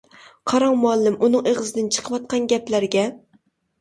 — قاراڭ مۇئەللىم ئۇنىڭ ئېغىزىدىن چىقىۋاتقان گەپلەرگە.